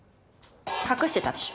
隠してたでしょ。